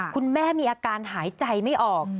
คุณแม่มีอาการหายใจไม่ออก